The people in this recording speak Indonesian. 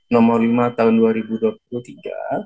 nomor lima tahun dua ribu dua puluh tiga